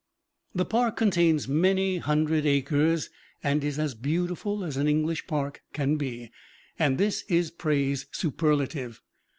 The park contains many hundred acres, and is as beautiful as an English park can be, and this is praise superlative.